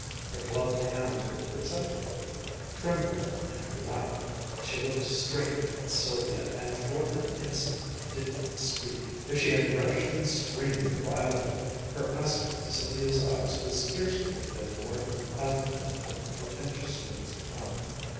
Her gloved hands were perceptibly trembling in her lap. She looked straight at Sylvia, and for an instant did not speak. If she had rushed in screaming wildly, her aspect to Sylvia's eyes would scarcely have been more eloquent of portentous news to come.